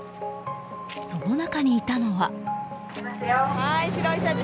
その中にいたのは。